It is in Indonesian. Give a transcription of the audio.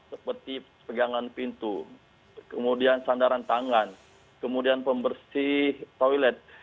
seperti pegangan pintu kemudian sandaran tangan kemudian pembersih toilet